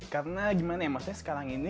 karena gimana ya sekarang jaman marks sisi